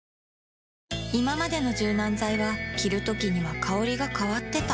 いままでの柔軟剤は着るときには香りが変わってた